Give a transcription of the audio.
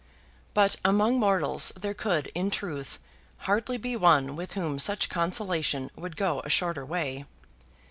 But among mortals there could, in truth, hardly be one with whom such consolation would go a shorter way.